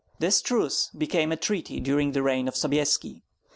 This truce became a treaty during the reign of Sobyeski.